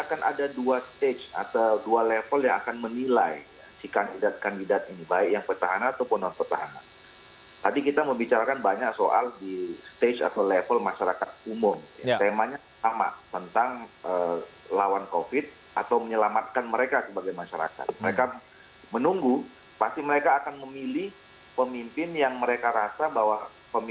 mas agus melas dari direktur sindikasi pemilu demokrasi